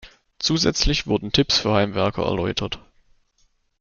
Zusätzlich wurden Tipps für Heimwerker erläutert.